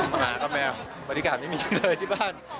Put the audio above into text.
หมากับแมวบรรยากาศไม่มีฉันเลยที่บ้าน